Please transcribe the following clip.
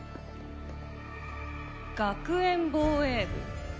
学園防衛部。